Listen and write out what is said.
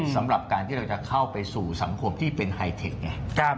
สำหรับการที่เราจะเข้าไปสู่สังคมที่เป็นไฮเทคไง